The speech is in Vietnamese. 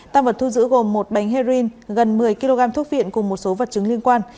tăng vật thu giữ gồm một bánh heroin gần một mươi kg thuốc viện cùng một số vật chứng liên quan